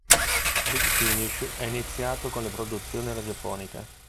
Big Finish è iniziato con le produzioni radiofoniche.